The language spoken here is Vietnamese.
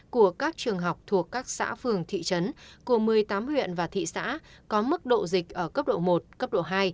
của các trường học thuộc các xã phường thị trấn của một mươi tám huyện và thị xã có mức độ dịch ở cấp độ một cấp độ hai